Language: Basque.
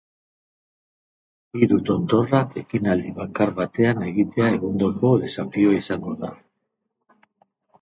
Hiru tontorrak ekinaldi bakar batean egitea egundoko desafioa izango da.